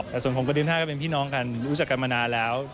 แต่ส่วนผมกับดิน๕ก็เป็นพี่น้องกันรู้จักกันมานานแล้ว